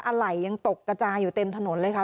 อะไรยังตกกระจายอยู่เต็มถนนเลยค่ะ